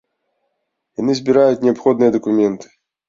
Яны збіраюць неабходныя дакументы.